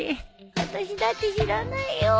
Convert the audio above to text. あたしだって知らないよ。